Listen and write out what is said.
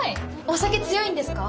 お酒強いんですか？